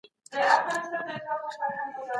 څوک د غونډو د جوړولو اجازه ورکوي؟